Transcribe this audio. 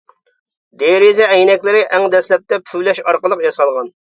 دېرىزە ئەينەكلىرى ئەڭ دەسلەپتە پۈۋلەش ئارقىلىق ياسالغان.